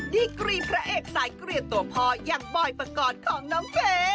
ดีกรีพระเอกสายเกลียดตัวพออย่างบ่อยประกอดของน้องเก